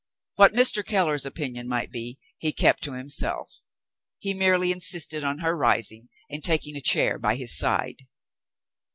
What Mr. Keller's opinion might be, he kept to himself. He merely insisted on her rising, and taking a chair by his side.